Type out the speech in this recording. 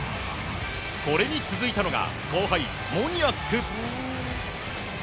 これに続いたのが後輩モニアック。